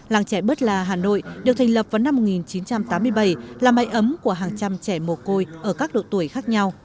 làng trẻ bơ la hà nội được thành lập vào năm một nghìn chín trăm tám mươi bảy là máy ấm của hàng trăm trẻ mồ côi ở các độ tuổi khác nhau